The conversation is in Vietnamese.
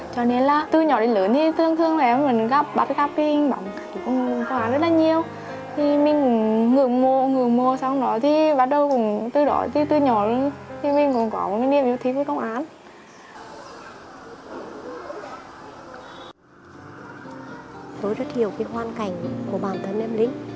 tôi rất hiểu cái hoàn cảnh của bản thân em linh